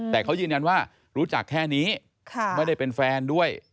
แต่เขายืนยันว่ารู้จักแค่นี้ไม่ได้เป็นแฟนด้วย